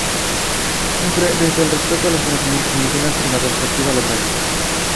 Siempre desde el respeto a los conocimientos indígenas y la perspectiva local.